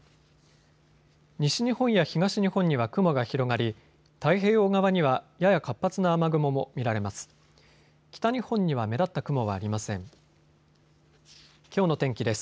西日本や東日本には雲が広がり太平洋側にはやや活発な雨雲も見られます。